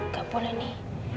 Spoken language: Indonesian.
gak boleh nih